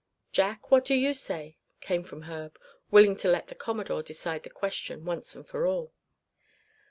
"Jack, what do you say?" came from Herb, willing to let the Commodore decide the question once and for all.